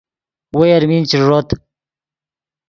وئے المین چے ݱوت